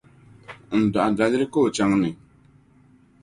n-dɔɣi daliri ka o chaŋ ni.